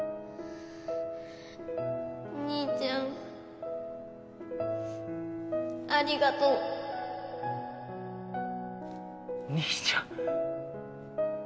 兄ちゃんありがとう兄ちゃん。